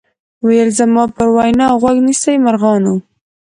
ویل زما پر وینا غوږ نیسۍ مرغانو